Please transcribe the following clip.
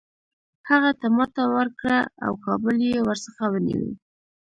هغه ته ماته ورکړه او کابل یې ورڅخه ونیوی.